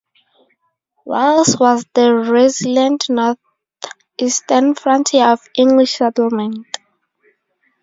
Wells was the resilient northeastern frontier of English settlement.